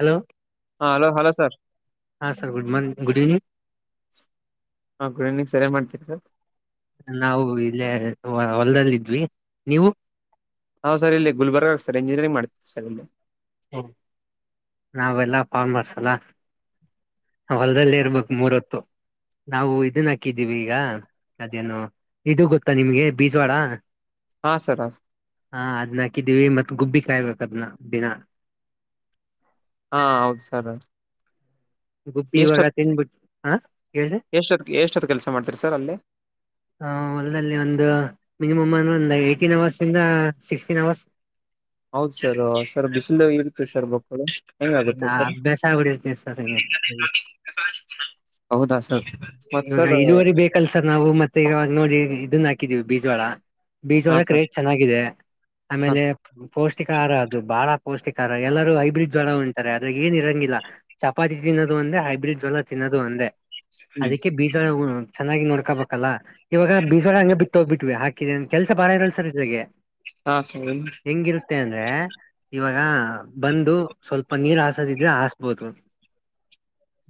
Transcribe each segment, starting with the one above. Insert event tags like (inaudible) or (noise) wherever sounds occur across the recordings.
Hello ಹಾ hello hello sir. ಹಾಂ sir good morning good evening. ಹಾ ಗುಡ್ ಈವ್ನಿಂಗ್ ಸರ್ ಎನ್ ಮಾಡ್ತೀರ. ನಾವು ಇಲ್ಲೇ ಹೊಲದಲ್ಲಿದ್ವಿ ನೀವು. ನಾವ್ ಸರ್ ಇಲ್ಲಿ ಗುಲ್ಬರ್ಗಾಗ ಸರ್ ಇಂಜಿನಿಯರಿಂಗ್ ಮಾಡ್ತವಿ ಸರ್ ಇಲ್ಲಿ. ಹ್ಮ ನಾವೆಲ್ಲಾ ಪಾನ್ ಮಸಾಲ. ಹೊಲದಲ್ಲೇ ಇರ್ಬೇಕು ಮೂರ್ಹೊತ್ತು ನಾವು ಇದನ್ ಹಾಕಿದೀವಿ ಈಗ. ಅದೇನು ಇದು ಗೊತ್ತಾ ನಿಮ್ಗೆ ಬೀಜ್ವಾಡ. ಹಾ ಸರ್ ಹ ಸರ್. ಹಾ ಅದನ್ನ ಹಾಕಿದ್ದೀವಿ ಮತ್ ಗುಬ್ಬಿ ಕಾಯ್ಬೇಕ ಅದನ್ನ ದಿನಾ. ಹಾ ಹೌದು ಸರ್. ಗುಬ್ಬಿ ಇವಾಗ ಎಷ್ಟೊತ್ ತಿನ್ಬಿಟ್ಟು ಹಾ ಹೇಳ್ರಿ. ಏಷ್ಟೊತ್ ಕೆಲಸ ಮಾಡ್ತೀರಿ ಸರ್ ಅಲ್ಲಿ. ಹ ಹೊಲ್ದಲ್ಲಿ ಒಂದ ಮಿನಿಮಮ್ ಅಂದ್ರ ಒಂದ್ ಏಟೀನ್ ಅವರ್ಸಿಂದ ಸಿಕ್ಸ್ಟೀನ್ ಅವರ್ಸ್. ಹೌದ್ ಸರ್ ಸರ್ ಬಿಸಿಲು ಇರುತ್ತ ಸರ್ ಬಕ್ಕಳ. ಇಲ್ಲಾ ಅಭ್ಯಾಸಾಗ್ಬಿಟರ್ತೆ ಸರ್. (unintelligible) ಹೌದಾ ಸರ್ ಮತ್ ಸರ್. ಕೆಲ್ಸರ್ ನಾವು ಮತ್ತೆ ಇವಾಗ ನೋಡಿ ಇದನ್ನಾ ಹಾಕಿದೀವಿ ಬೀಜ್ವಾಳ ಹಾ ಬೀಜ್ವಾಳಕ ಸರ್ ರೇಟ್ ಚೆನ್ನಾಗಿದೆ ಹಾ ಆಮೇಲೆ ಪೌಷ್ಟಿಕಹಾರ ಅದು ಬಹಳ ಪೌಷ್ಟಿಕಹಾರ ಎಲ್ಲರೂ ಹೈಬ್ರಿಡ್ ಜೋಳ ಉನ್ನತರೆ ಆದ್ರೆ ಏನ್ ಇರಂಗಿಲ್ಲ ಚಪಾತಿ ತಿನ್ನೋದು ಒಂದೇ ಹೈಬ್ರಿಡ್ ಜೋಳ ತಿನ್ನೋದು ಒಂದೇ ಹ್ಮ್ ಅದಕ್ಕೆ ಬೀಜವಾಳ ಚೆನ್ನಾಗಿ ನೋಡ್ಕೋಬೇಕಲ್ಲ ಇವಾಗ ಬೀಜವಾಳ ಹಂಗೆ ಬಿಟ್ಟ ಹೋಗ ಬಿಟ್ವಿ ಹಾಕಿದೆ ಕೆಲಸ ಬಾಳ ಇರಲ್ಲ ಸರ್ ಇದ್ರಾಗೆ. ಹಾಂ ಸರ್. ಹೆಂಗಿರುತ್ತೆ ಅಂದ್ರೆ ಇವಾಗ ಬಂದು ಸ್ವಲ್ಪ ನೀರ್ ಹಾಸದಿದ್ರೆ ಹಸ್ಬೋದು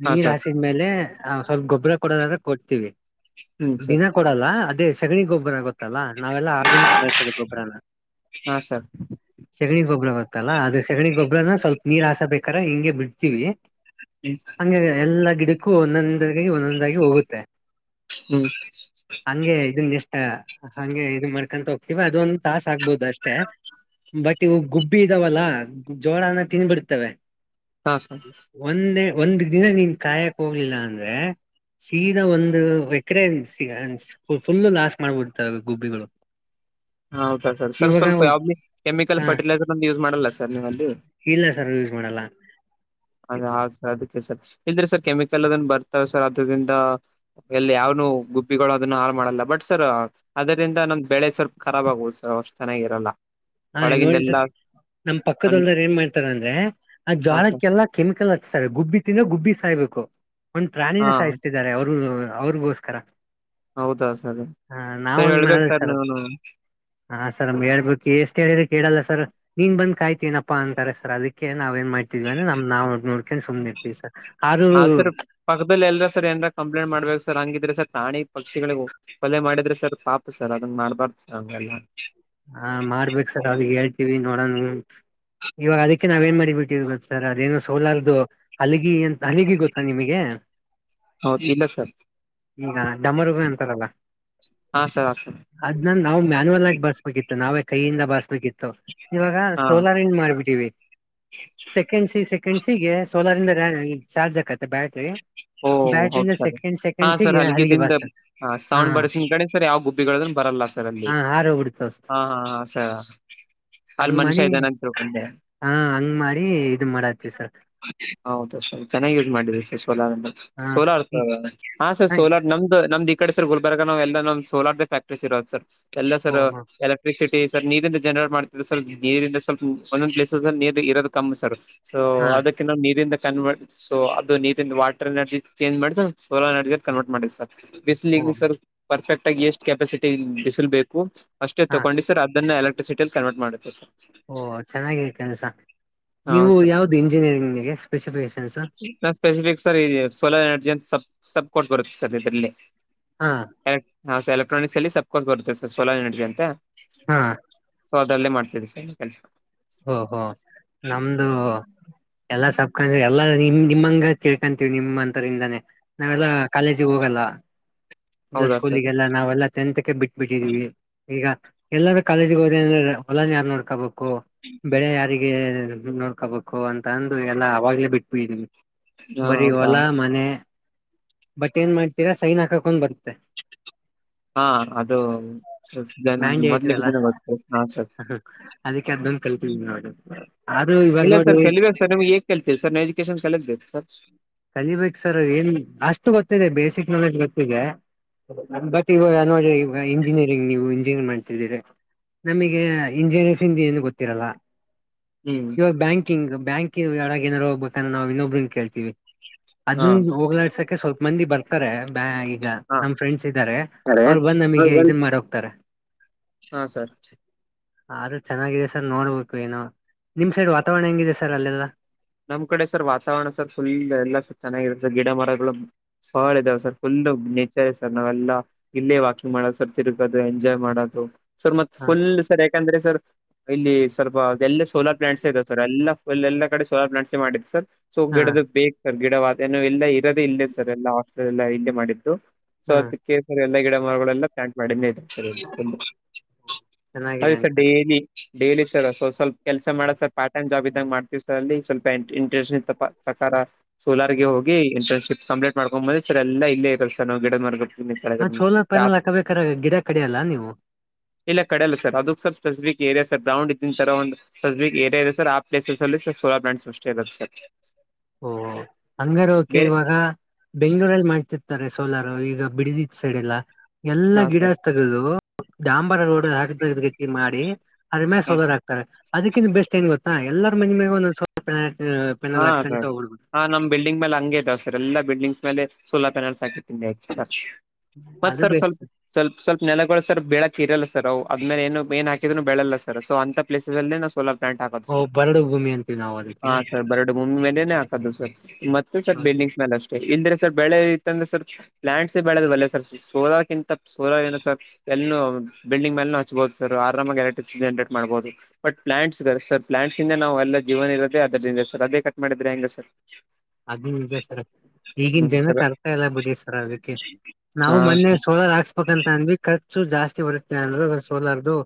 ಹಾ ನೀರ್ ಸರ್ ಹಾಸಿದ್ಮೇಲೆ ಸ್ವಲ್ಪ ಗೊಬ್ಬರ ಕೊಡೋದಾದ್ರೆ ಕೊಡ್ತೀವಿ ಹ್ಮ್ ಸರ್ ದಿನ ಕೊಡಲ್ಲ ಅದೇ ಸಗಣಿ ಗೊಬ್ಬರ ಗೊತ್ತಾ ಲ್ಲ ನಾವೆಲ್ಲಾ ಆರ್ಗ್ಯಾನಿಕ್ ಬಳ್ಸೋದ ಗೊಬ್ಬರನ ಹಾ ಸರ್ ಸಗಣಿ ಗೊಬ್ಬರ ಗೊತ್ತಲ್ಲ ಅದೆ ಸಗಣಿ ಗೊಬ್ಬ್ರನ ಸ್ವಲ್ಪ ನೀರ್ ಹಸ ಬೇಕಾರೆ ಹಿಂಗೆ ಬಿಡ್ತೀವಿ (inaudible) ಹಂಗೆ ಎಲ್ಲಾ ಗಿಡಕ್ಕೂ ಒಂದೊಂದಾಗಿ ಒಂದೊಂದಾಗಿ ಹೋಗುತ್ತೆ. ಹ್ಮ್ ಹಂಗೆ ಇದನ್ ಇಷ್ಟ ಹಂಗೆ ಇದು ಮಾಡ್ಕೊಂತ ಹೋಗ ಇವ ಅದೊಂದ ತಾಸ ಆಗ್ಬೋದು ಅಷ್ಟೇ ಬಟ್ ಗುಬ್ಬಿ ಇದಾವಲ್ಲಾ ಜೋಳನ ತಿನ್ಬಿಡ್ತವೆ. ಹಾಂ ಸರ್. ಒಂದೇ ಒಂದ್ ದಿನ ನೀನ್ ಕಾಯಕ್ ಹೋಗ್ಲಿಲ್ಲ ಅಂದ್ರೆ ಸೀದಾ ಒಂದು ಎಕರೆ ಫುಲ್ಲು ಲಾಸ್ ಮಾಡ್ಬಿಡ್ತವೆ ಗುಬ್ಬಿಗಳು. ಹ ಹೌದಾ ಸರ್ ಸರ್ ಇವಾಗ ಸ್ವಲ್ಪ ಯಾವಬಿ ಕೆಮಿಕಲ್ ಹಾ ಫರ್ಟಿಲೈಸರ್ ಅನ್ನ ಯೂಸ್ ಮಾಡಲ್ಲ ಸರ್ ನೀವಲ್ಲಿ. ಇಲ್ಲ ಸರ್ ಯೂಸ್ ಮಾಡಲ್ಲ. ಅದ ಹಾ ಸರ್ ಅದಕ್ಕೆ ಸರ್ ಇಲ್ದಿರೆ ಸರ್ ಕೆಮಿಕಲ್ ಅದನ್ ಬರ್ತಾವ ಸರ್ ಅದರಿಂದ ಎಲ್ಲಿ ಯಾವನು ಗುಬ್ಬಿಗಳು ಅದನ್ನ ಹಾಳ ಮಾಡಲ್ಲ ಬಟ್ ಸರ್ ಅದರಿಂದ ನಂದ್ ಬೆಳೆ ಸ್ವಲ್ಪ ಖರಾಬ್ ಆಗವು ಸರ್ ಅಷ್ಟು ಚೆನ್ನಾಗಿ ಇರಲ್ಲ. ಹಾ ನೋಡ್ಸ ನಮ್ ಪಕ್ಕದ ಹೊಲದವ್ರು ಏನ್ ಮಾಡ್ತಾರ ಅಂದ್ರೆ ಆ ಹಾ ಜೋಳ ಸರ್ ಕೆಲ್ಲ ಕೆಮಿಕಲ್ ಹಚ್ತಾರೆ ಗುಬ್ಬಿ ತಿಂದ್ರೆ ಗುಬ್ಬಿ ಸಾಯ್ಬೇಕು ಒಂದ್ ಹಾ ಪ್ರಾಣಿನ ಸೈಸ್ತಿರ್ತಾರೆ ಅವರುನೂ ಅವ್ರಗೋಸ್ಕರ. ಹೌದಾ ಸರ ಸರ ಹೇಳಳ್ಬೇಕ ಸರ್ ನೀವುನು. ಹಾ ಸರ್ ಹೇಳ್ಬೇಕು ಎಷ್ಟ್ ಹೇಳಿದ್ರೆ ಕೇಳಲ್ಲ ಸರ್ ನೀನ್ ಬಂದ ಕಾಯ್ತನಪ್ಪ ಅಂತರೆ ಸರ್ ಅದಕ್ಕೆ ನಾವ ಎನ್ ಮಾಡ್ತಿದ್ವಿ ಅ ನಮ್ ನಾವ್ ನೋಡ್ಕೊಂಡ ಸುಮ್ನ್ ಇರ್ತೀವಿ ಸರ್. ಆದ್ರೂ ಹಾ ಸರ್ ಪಕ್ಕದದಲ್ಲಿ ಎಲ್ರ ಸರ್ ಏನಾರ ಕಂಪ್ಲೇಂಟ್ ಮಾಡ್ಬೇಕು ಸರ್ ಹಂಗಿದ್ರ ಸರ್ ಪ್ರಾಣಿ ಪಕ್ಷಿಗಳಿಗ ಕೊಲೆ ಮಾಡಿದ್ರೆ ಸರ್ ಪಾಪ ಸರ್ ಅದನ್ನ ಮಾಡ್ಬಾರ್ದು ಸರ್ ಹಂಗೆಲ್ಲ. ಹಾ ಮಾಡ್ಬೇಕೇಕ್ ಸರ್ ಅವ್ರಿಗೆ ಹೇಳ್ತೀವಿ ನೋಡೋಣ. ಇವಾಗ ಅದಕ್ಕೆ ನಾವ ಏನ್ ಮಾಡಿಬಿಟ್ಟೀವಿ ಗೊತ್ತ ಸರ್ ಅವರ್ ಏನೋ ಸೋಲಾರದು ಹಲ್ಲಿಗಿ ಎಂತ ಹಲ್ಲಿಗೆ ಗೊತ್ತಾ ನಿಮಗೆ ಹೌದು ಇಲ್ಲ ಸರ್ ಈಗ ಡಮರುಗ ಅಂತಾರಲ್ಲ ಹಾ ಸರ್ ಹಾ ಸರ್ ಅದನ್ನ್ ನಾವ ಮ್ಯಾನಯುವಲ್ ಆಗಿ ಬರ್ಸ್ಬೇಕಿತ್ತು ನಾವೇ ಕೈಯಿಂದ ಬಸ್ಬೇಕಿತ್ತು ಇವಾಗ ಹಾ ಸೋಲಾರ್ ಇನ್ ಮಾಡ್ಬಿಟ್ಟವಿ ಸೆಕೆಂಡ್ ಸಿ ಸೆ ಕೆಂಡ್ ಸ್ಸಿಗೆ ಸೋಲಾರಿಂದ ಚಾರ್ಜ್ ಆಕತ್ತೆ ಬ್ಯಾಟ್ರಿ. ಹೂ ಓ ಹೌದ ಬ್ಯಾಟ್ರಿಯಿಂದ ಸರ್ ಸೆಕೆಂಡ್ ಹಾ ಸರ್ ಸೆಕೆಂಡ್ಸಿಗೆ ಹಲ್ಲಿಗ ಹಲ್ಲಿಗೆ ದಿಂದ ಬಾರ್ಸ ಹಾ ಸೌಂಡ್ ಬರ್ಸನ್ ಕಡೆ ಸರ್ ಯಾವ ಗುಬ್ಬಿಗಳನ್ ಬರಲ್ಲ. ಸರ್ ಅಲ್ಲಿ ಹಾ ಹಾರೋಗ ಬಿಡ್ತಾವ್ ಸರ್. ಹಾ ಹಾ ಹ ಸರ್. ಅಲ್ಲಿ ಹಂಗ ಮಾಡಿ ಮನುಷ್ಯ ಇದ್ದಾನೆ ಅಂತ ತಿಳ್ಕೊಂಡೆ ಹಾ ಹಂಗ ಮಾಡಿ ಇ ಮಾಡತ್ತವಿ ಸರ್. ಹೌದ ಸ ಚೆನ್ನಾಗಿ ಯೂಸ್ ಮಾಡಿದ್ರ ಸ ಸೋಲಾರ್ ಅಂದ ಹಾ ಸೋಲಾರ್ ಈ ಅ ಹಾ ಸರ್ ಸೋಲಾರ್ ನಮ್ದ ನಮ್ದ ಈ ಕಡೆರ್ ಗುಲ್ಬರ್ಗ ನಾವ್ ಎಲ್ಲ ನಮ್ದ್ ಸೋಲಾರ್ದ ಫ್ಯಾಕ್ಟ್ರೀ ಸಿ ಇರೋದು ಸರ್. ಎಲ್ಲ ಓ ಸರ್ ಹ ಎಲ್ ಎಟಿ ಸರ್ ನೀರಿಂದ ಜನರೇಟ್ ಮಾಡ್ತ ನೀರಿಂದ ಸ್ವಲ್ಪ ಒಂದೊಂದ ಪ್ಲೇಸ್ ನೀ ಇರೋದು ಕಮ್ಮ ಸರ್. ಸೊ ಹಾ ಅದಕ್ಕ ನಾವ ನೀರಿಂದ ಕನ್ವರ್ಟ್ ಸೊ ಅದು ನೀ ವಾಟರ್ ಎನರ್ಜಿ ಚೇಂಜ ಮಾಡ ಸೋಲರ್ ಎನರ್ಜಿ ಅ ಕನ್ವರ್ಟ್ ಮಾಡ್ ಸರ್ ಬಿಸ ಓ ಸರ್. ಪರ್ಫೆಕ್ಟ್ ಆಗಿ ಎಷ್ಟ ಕೆಪಾಸಿಟಿ ಬಿಸಿಲ್ಬೇಕು ಅಷ್ಟೇ ಹಾ ತಗೊಂಡಿ ಸರ್ ಅದನ್ನ ಎಲೆಕ್ ಟೇಲ್ ಕನ್ವರ್ಟ್ ಮಾಡುತ್ತೆ ಸರ್. ಓ ಚೆನ್ನಾಗಿ ಕೆಲ್ಸ ಹಾ ನೀವು ಸರ್ ಯಾವ್ದ ಇಂಜಿನಿಯರಿಂಗ್ಗೆ ಸ್ಪೆಸಿಫಿಸೆಶನ್ಸ್. ನಾ ಸ್ಪೆಸಿಫಿಕ್ ಸರ್ ಈ ಸೋಲಾರ್ ಎನರ್ಜಿ ಅಂತ ಸ ಸಬ್ ಕೊಟ್ ಬರುತ್ತೆ ಸರ್ ಇದ್ರಲ್ಲಿ. ಹಾ ಎಲೆಕ್ ಹ ಸರ್ ಎಲೆಕ್ಟ್ರಿಕ್ ಅಲ್ಲಿ ಸಬ್ಕೋರ್ಸ್ ಬತ್ತೆ ಸರ್ ಸೋಲಾರ್ ಎನರ್ಜಿ ಅಂತ. ಹ್ಮಾ ಸೊ ಅದಲ್ಲೇ ಮಾಡ್ತಿದ ಸ ಕೆಲ್ಸ. ಓಹೋ ನಮ್ದು ಎಲ್ಲ ಸಪ್ಕ ಎಲ್ಲ ನಿ ನಿಮ್ಮಂಗ ತಿಳ್ಕೊಂತೀವಿ ನಿಮ್ಮ ಅಂತರರಿಂದಾನೇ ನಾವೆಲ್ಲ ಕಾಲೇಜಿಗ ಹೋಗಲ್ಲ. ಇ ಹೌದಾ ಸರ್ ಸ್ಕೂಲಿಗ ಎಲ್ಲ ನಾವೆಲ್ಲ ಟೆಂತ್ಕ ಬಿಟ್ಟಬಿಟ್ಟಿದೀವಿ. ಈಗ ಎಲ್ಲಾರ ಕಾಲೇಜಿಗೆ ಹೋದ ಅಂದ್ರೆ ಹೊಲಾನ ಯಾರ ನೋಡ್ಕೋಬೇಕು. ಬೆಳೆ ಯಾರಿಗೆ ನೋಡ್ಕೋಬೇಕು ಅಂತ ಅಂದ ಎಲ್ಲ ಅವಾಗೆ ಬಿಟ್ಬಿಟ್ಟಿದೀನಿ. ಹ ಬರಿ ಹೌದಾ ಹೊಲಾ ಮನೆ ಬಟ್ ಏನ್ ಮಾಡ್ತೀರಾ ಸೈನ್ ಹಾಕಕೊಂದ ಬರುತ್ತೆ. ಹಾ ಅದು ಮ್ಯಾಂಡೇಟ್ ಮೊದ್ಲ ಎಲ್ಲ ಬಿದ್ರೆ ಗೊತ್ತು ಹಾ ಸರ್. ಅದಕ್ಕೆ ಅಂದ ಕಲ್ಪಿದವಿ ನೋಡಿ ಆದ್ರ ಇವಾಗ ನೋಡಿ ಕೇತೀವಿ ಸರ್ ನ ಎಜುಕೇಶನ್ ಕಲಿತಿ ಸರ್. ಕಲಿಬೇಕ ಸರ್ ಏನ್ ಅಷ್ಟು ಗೊತ್ತಿದೆ ಬೇಸಿಕ್ ನಾಲೆಜ್ ಗೊತ್ತಿದೆ. ನನ್ನ ಬಗ್ಗೆ ಇವಾಗ ನೋ ಈ ಇಂಜಿನಿಯರಿಂಗ್ ನೀವು ಇಂಜಿನಿಯರಿಂಗ್ ಮಾಡ್ತಿದ್ದೀರ. ನಮಗೆ ಇಂಜಿನಿಯರ್ಸ ಇಂದ ಏನು ಗೊತ್ತಿರಲ್ಲ. ಹ್ಮ. ಇವಾಗ ಬ್ಯಾಂಕಿಂಗ್ ಬ್ಯಾಂಕಂಗ್ ರಗ ಏನಾರ ಹೋಗ್ಬೇಕಂದ್ರ ನಾವ ಇನ್ನಬ್ರ ಕೇಳ್ತೀವಿ. ಹಾ ಅದನ್ನ ಹೋಗ್ಲಾಡ್ಸಕ್ಕೆ ಸ್ವಲ್ಪ ಮಂದಿ ಬರ್ತ ಗ್ತಾರೆ ಬ ಈಗ ಹಾ ನಮ್ ಫ್ರೆಂಡ್ಸ್ ಇದ್ದಾರೆ ಅರೆ ಅವ್ರ ಬಂದ್ ನಮಗೆ ಇದ ಮಾಡ ಹೋಗ್ತಾರೆ. Show sir. ಆದ್ರೂ ಚೆನ್ನಾಗಿದೆ ಸರ್ ನೋಡ್ಬೇಕು ಇನ್ನು ನಿಮ್ ಸೈಡ್ ವಾತಾವರಣ ಹೆಂಗಿದೆ ಸರ್ ಅಲ್ಲೆಲ್ಲ. ನಮ್ಮ ಕಡೆ ಸರ್ ವಾತಾವರಣ ಸರ್ ಫುಲ್ ಎಲ್ಲ ಸರ್ ಚೆನ್ನಾಗಿರತ್ತೆ ಗಿಡ ಮರಗಳು. ಫಾಳ ಇದಾವ ಸರ್ ಫುಲ್ ನೇಚರ್ ಇದೆ ಸರ್ ನಾವೆಲ್ಲ ಇಲ್ಲೇ ವಾಕಿಂಗ್ ಮಾಡದು ಸರ್ ತಿರುಗೋದು ಎಂಜಾಯ್ ಮಾಡೋದು ಸರ್ ಮತ್ತ ಹ ಫುಲ್ ಸರ ಯ ಯಾಕಂದ್ರೆ ಸರ್ ಇಲ್ಲಿ ಸ್ವಲ್ಪ ಎಲ್ಲಾ ಸೋಲಾರ್ ಪ್ಲಾಂಟ್ಸ್ ಇದೆ ಸರ್ ಎಲ್ಲಾ ಫುಲ್ ಎಲ್ಲ ಕಡೆ. ಸೋಲಾರ್ ಪ್ಲಾಂಟ್ಸ್ ಮಾಡಿದ್ ಸರ್ ಸೊ ಹಾ ಗಿಡದ ಬೇಕ್ ಸರ್ ಗಿಡವ ಏ ಎಲ್ಲಾ ಇರದೆೇ ಇಲ್ಲ ಸರ್ ಎಲ್ಲ ದೆಲ್ಲ ಇಲ್ಲೇ ಮಾಡಿದ್ದು ಸೊ ಹ್ಮ್ ಅದು ಕೇಸರ್ ಎಲ್ಲಾ ಗಿಡ ಮರಗಳೆಲ್ಲ ಪ್ಲಾಂಟ್ ಮಾಡಿದೇ ಇದ ಹಾ ಸ ಚೆನ್ನಾಗಿದೆ ಡೈಲಿ ಸರ್ ಅಂಕ ಡೇಲಿ ಡೇಲಿ ಸರ್ ಸ್ವಲ್ಪ ಕೆಲಸ ಮಾಡ ಸರ್ ಪಾರ್ಟ್ ಟೈಮ್ ಜಾಬ್ ಇದ್ದಾಗ ಮಾಡ್ತೀವಿ ಸರ್ ಅಲ್ಲಿ ಸ್ವಲ್ಪ ಇಂಟ್ರೆಸ್ಟ್ ಇತ್ತಪಾ ಪ್ರಕಾರ ಸೋಲಾರ್ಗೆ ಹೋಗಿ ಇಂಟರ್ನ್ಶಿಪ್ ಕಂಪ್ಲೀಟ್ ಮಾಡ್ಕೊಂದ ಬಂದ ಸರ್ ಎಲ್ಲೇ ಇದೆ ಸರ್ ನ ಗಿಡದ ಮರ್ಗಳು. ಆ ಸೋಲರ್ ಪ್ಯಾನಲ್ ಹಾಕ್ಬೇಕಾರ ಗಿಡ ಕಡಿಯಲ್ಲ ನೀವು ಇಲ್ಲ ಕಡೆಯಲ್ಲ ಸರ್ ಅದಕ್ಕೆ sir specific area sir ground ಇದಿನ ತರ ಒಂದ ಸ್ಪೆಸಿಕ್ ಏರೀಯಾ ಇದೆ ಸ ಆ ಪ್ಲೇಸಲ್ಲಿ ಸೋಲಾ ಪ್ಲಾಂಟ್ಸ್ ಅಷ್ಟೇ ಇರೋದ ಸರ್. ಓಹ ಹಂಗಾರ ಓಕೆ ಬೇರೆ ಇವಾಗ ಬೆಂಗಳೂರಲ್ಲಿ ಮಾಡ್ತಿರ್ತಾರೆ ಸೋಲಾರು ಈಗ ಬಿಡಿದಿ ಸೈಡ್ ಎಲ್ಲಾ ಎಲ್ಲಾ ಹಾ ಗಿಡ ಸರ್ ತೆಗೆದು ಡಾಂಬರ ರೋಡ್ ಹಾಕ ಗತಿ ಮಾಡಿ ಅದರಮ್ಯಾಲ್ ಹಾ ಸೋಲರ್ ಆಗ್ತಾರೆ ಅದಕ್ಕಿಂದು ಬೆಸ್ಟ್ ಏನ್ ಗೊತ್ತಾ ಎಲ್ಲರ ಮನಿ ಮ್ಯಾಗೂ ಒಂದಂದು ಸೋಲಾರ್ ಪೆನಲ್ ಹಾಕ್ದರೆ. ಹ ನಮ ಬಿಲ್ಡಿಂಗ್ ಮೇಲೆ ಹಂಗೆ ಇದಾವ ಸರ್ ಎಲ್ಲ ಬಿಲ್ಡಿಂಗ್ಸ್ ಮೇಲೆ ಸೋಲಾರ್ ಪ್ಯಾನಲ್ಸ್ ಹಾಕ್ ಇಟ್ಟಿದಾರೆ ಸರ್ ಮತ್ ಅದು ಸರ್ ಸ್ವಲ್ಪ ಬೆಸ್ಟ್ ಸ್ವಲ್ಪ ಸ್ವಲ್ಪ ನೆಲಗಳು ಸರ್ ಬೆಳಕ್ಕ ಇರಲ್ಲ ಸರ್ ಅವ್ ಅದರ ಮೇಲೆ ಏನು ಏನ್ ಹಾಕಿದ್ರು ಬೆಳಲ್ಲ ಸರ್ ಸೊ ಅಂತ ಪ್ಲೇಸ ಅಲ್ಲೆ ನಾವ್ ಸೋಲಾರ್. ಪ್ಲಾಂಟ್ ಹಾಕೋದು ಓ ಸರ್ ಬರಡು ಭೂಮಿ ಅಂತೀವಿ ನಾವು ಅದಕ್ಕೆ. ಹಾ ಸರ್ ಬರಡು ಭೂಮಿ ಮೇಲೆನೇ ಹಾಕದು ಸರ್ ಮತ್ತೆ ಸರ್ ಬಿಲ್ಡಿಂಗ್ಸ್ ಮೇಲೆ ಅಷ್ಟೇ ಇಲ್ದಿರೆ ಸರ್ ಬೆಳೆ ಇತ್ತಂದ್ರೆ ಸರ್ ಪ್ಲಾಂಟ್ಸ್ ಬೆಳೆಲ್ವಲ್ಲ ಸರ್ ಸೋಲಾರ ಕಿಂತ ಸೋಲರ್ ಏನು ಸರ್ ಎಲ್ಲೂ ಬಿಲ್ಡಿಂಗ್ ಮೇಲೂ ಹಚ್ಬಹುದು ಸರ್ ಆರಾಮಾಗಿ ಎಲೆಕ್ಟ್ರಿಸಿಟಿ ಜನ್ರೇಟ್ ಮಾಡ್ಬಹುದು ಬಟ್ ಪ್ಲಾಂಟ್ಸ್ ಇದ್ದಾವೆ ಸರ್ ಪ್ಲಾಂಟ್ಸ್ ಇಂದನೇ ನಾವು ಎಲ್ಲ ಜೀವನ ಇರೋದ ಅದರಿಂದ ಸರ್ ಅದೇ ಕಟ್ ಮಾಡಿದ್ರೆ ಹೆಂಗ ಸರ್. ಅದು ನಿಜ ಸರ್ ಈಗಿನ್ ಹ್ಮ್ ಜನ ಸರ್ ಅರ್ತಾ ಇಲ್ಲ ಬಿಡಿ ಸರ್ ಅದಿಕ್ಕೆ. ನಾವು ಹಾ ಮೊನ್ನೆ ಸೋಲಾರ್ ಹಾಕ್ಸ್ಬೇಕಂತ ಅಂದ್ವಿ ಖರ್ಚು ಜಾಸ್ತಿ ಬರುತ್ತೇ ಅಂದರು ಸೋಲರ್ದು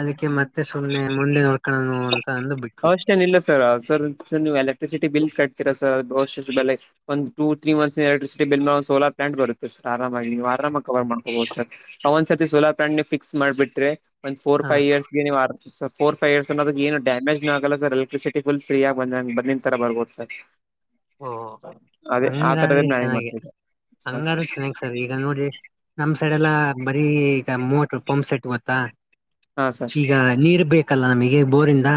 ಅದಕ್ಕೆ ಮತ್ತೆ ಸುಮ್ನೆ ಮುಂದೆ ನೋಡ್ಕೋಣ ಅಂತ ಅಂದು ಬಿಟ್ವಿ. ಅಷ್ಟನ್ ಇಲ್ಲ ಸರ್ ಸರ್ ನೀವು ಎಲೆಕ್ಟ್ರಿಸಿಟಿ ಬಿಲ್ಸ್ ಕಟ್ತೀರಾ ಸರ್ ಅಷ್ಟ್ ಅಷ್ಟ್ ಬೆಲೆ ಒಂದು two three months electricity bill ನ ಸೋಲಾರ್ ಪ್ಲಾಟ್ ಬರುತ್ತೆ ಸರ್ ಆರಾಮಾಗಿ ನೀವು ಅರಾಮಾಗಿ ಕವರ್ ಮಾಡ್ಕೋಬೋದು ಸರ್ ಅ ಒಂದ್ಸತಿ ಸೋಲಾರ್ ಪ್ಲಾಂಟ್ ನೀವ್ ಫಿಕ್ಸ್ ಮಾಡಬಿಟ್ರೆ ಒಂದು ಫೋರ್ ಹಾ ಫೈವ್ ಇಯರ್ಸ್ಗೆ ನೀವ್ ಅರಾಮ್ ಸರ್ ಫೋರ್ ಫೈವ್ ಇಯರ್ಸ್ ಅವರೆಗೂ ಏನೂ ಡ್ಯಾಮೇಜ್ ನೂ ಆಗಲ್ಲ ಸರ್ ಎಲೆಕ್ಟ್ರಿಸಿಟ ಫು ಫ್ರೀ ಆಗ ಬಂದ ಬಂದಿನ್ ತರ ಬರ್ಬಹುದು ಸರ್. ಓ ಅದೇ ಆ ಹಂಗಾರ ತರದೇ ನಾನೇ ಚೆನ್ನಾಗೆ ಮಾಡ್ತಿದ್ದೆ ಹಾ ಹಂಗಾರು ಸರ್ ಚೆನ್ನಾಗಿ ಸರ್ ಈಗ ನೋಡ್ರಿ ನಮ್ ಸೈಡ್ ಎಲ್ಲಾ ಬರೀ ಈಗ ಮೋಟ್ರ ಪಂಪ್ ಸೆಟ್ ಗೊತ್ತಾ ಹಾ ಸರ್ ಈಗ ನೀರ್ ಬೇಕಲ್ಲ ನಮಗೆ ಬೋರಿಂದ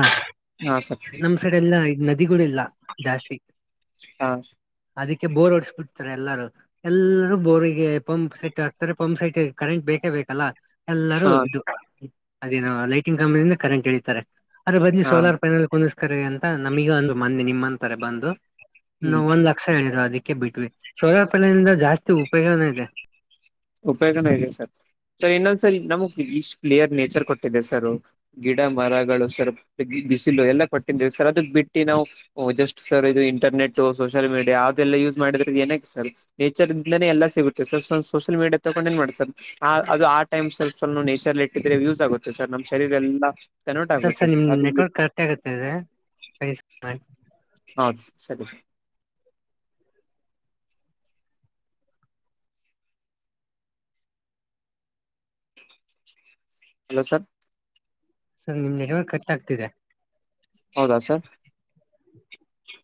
ಹಾ ಸರ್ ನಮ್ ಸೈಡೆ ಎಲ್ಲಾ ಈ ನದಿಗೊಳಿಲ್ಲ ಜಾಸ್ತಿ. ಹಾ ಅದಕ್ಕೆ ಬೋರ್ ಓಡಸ್ಬಿಡ್ತಾರೆ ಎಲ್ಲಾರು. ಎಲ್ಲರೂ ಬೋರಿಗೆ ಪಂಪ್ ಸೆಟ್ ಹಾಕ್ತಾರೆ ಪಂಪ್ ಸೆಟ್ ಕರೆಂಟ್ ಬೇಕೇ ಬೇಕಲ್ಲ ಎಲ್ಲರೂ ಹಾ ಇದು ಅದೇನು ಲೈಟಿಂಗ ಕಂಬದಿಂದ್ ಕರೆಂಟ್ ಎಳಿತಾರೆ ಅದರ ಬದ್ಲು ಹಾ ಸೋಲಾರ್ ಪ್ಯಾನೆಲ್ ಕುಂದರಿಸ್ಕೊರಿ ಅಂತ ನಮಗ ಒಂದು ಮಂದಿನಿ ನಿಮ್ಮಂತಾರೆ ಬಂದು ನೂ ಹ್ಮ್ ಒಂದ್ ಲಕ್ಷ ಹೇಳಿದ್ರು ಅದಕ್ಕೆ ಬಿಟ್ವಿ ಸೋಲಾರ್ ಪಾನೇಲಿಂದ ಜಾಸ್ತಿ ಉಪಯೋಗನೂ ಇದೆ. ಉಪಯೋಗನೂ ಇದೆ ಸರ್ ಸೊ ಇನ್ನೊಂದ್ ಸರ್ ನಮಗ್ ಇಷ್ಟ್ ಕ್ಲಿಯರ್ ನೇಚರ್ ಕೊಟ್ಟಿದೆ ಸರ್ ಗಿಡ ಮರಗಳು ಸರ್ ಬಿಸಿಲು ಎಲ್ಲಾ ಕೊಟ್ಟಿದಿವಿ ಸರ್ ಅದಕ್ ಬಿಟ್ಟಿ ನಾವು ಓ ಜಸ್ಟ್ ಸರ್ ಇದು ಇಂಟರ್ನೆಟ್ ಸೋಷಿಯಲ್ ಮೀಡಿಯಾ ಅದೆಲ್ಲ ಯೂಸ್ ಮಾಡಿದ್ರ ಏನಕ ಸರ್ ನೇಚರ್ ದಿಂದಲೇ ಎಲ್ಲ ಸಿಗುತ್ತೆ ಸೊ ಸೋಷಲ್ ಮೀಡಿಯಾ ತೊಗೊಂಡ ಏನ್ ಮಾಡೋದು ಸರ್ ಆ ಅದು ಆ ಟೈಮ್ ಸ್ವಲ್ಪಾನೂ ನೇಚರ್ ಲೇಟ ಇದ್ರೆ ಯೂಸ್ ಆಗುತ್ತೆ ಸರ್ ನಮ್ಮ್ ಶರೀರ ಎಲ್ಲ ಕನ್ವರ್ಟ್ ಆಗುತ್ತೆ ಸರ್ ಅದು. ಕರೆಕ್ಟ್ ಆಗುತ್ತಿದೆ. (unintelligible) ಹದು ಸರ್ ಸರಿ ಸರ್. Hello sir. ಸರ್ ನಿಮ್ ನನೆಟ್ವರ್ಕ್ ಕಟ್ ಆಗ್ತಿದೆ. ಹೌದಾ ಸರ್. (inaudible)